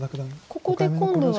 ここで今度は。